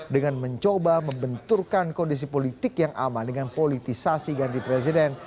dengan mencoba membenturkan kondisi politik yang aman dengan politisasi ganti presiden